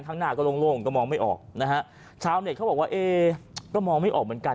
ข้างหน้าก็โล่งก็มองไม่ออกนะฮะชาวเน็ตเขาบอกว่าเอ๊ก็มองไม่ออกเหมือนกัน